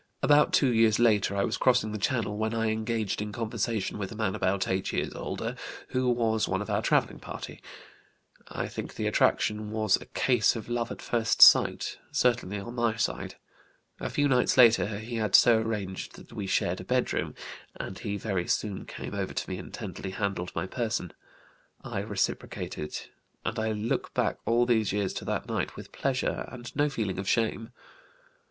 About two years later I was crossing the Channel when I engaged in conversation with a man about eight years older, who was one of our travelling party. I think the attraction was a case of love at sight, certainly on my side. A few nights later he had so arranged that we shared a bedroom, and he very soon came over to me and tenderly handled my person. I reciprocated and I look back all these years to that night with pleasure and no feeling of shame.